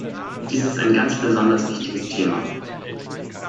Dies ist ein ganz besonders wichtiges Thema.